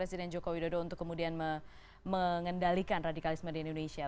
presiden joko widodo untuk kemudian mengendalikan radikalisme di indonesia